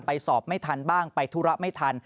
สอบไม่ทันบ้างไปธุระไม่ทัน